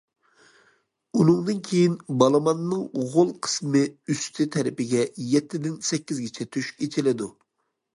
ئۇنىڭدىن كېيىن بالىماننىڭ غول قىسمى ئۈستى تەرىپىگە يەتتىدىن سەككىزگىچە تۆشۈك ئېچىلىدۇ.